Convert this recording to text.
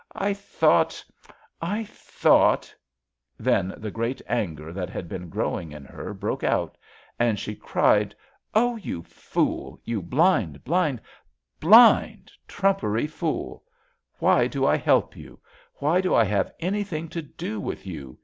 I thought — ^I thought '' Then the great anger that had been growing in her broke out, and she cried: '^ Oh, you fooll You blind, blind, hlind, trumpery fooll Why do I help you? Why do I have anything to do with you?